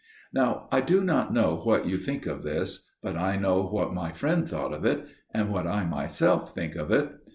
"Now I do not know what you think of this, but I know what my friend thought of it, and what I myself think of it.